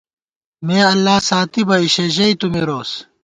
مے اللہ ساتِبہ، اِشے ژَئی تُو مِروس